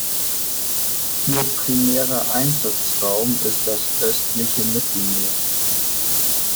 Ihr primärer Einsatzraum ist das östliche Mittelmeer.